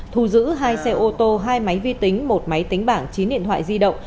thu giữ hai xe ô tô hai máy vi tính một máy tính bảng chín điện thoại di động